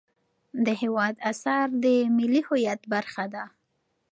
د هېواد اثار د ملي هویت برخه ده.